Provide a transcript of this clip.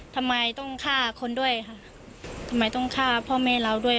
ทำไมต้องฆ่าคนด้วยค่ะทำไมต้องฆ่าพ่อแม่เราด้วย